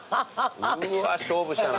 うわ勝負したな。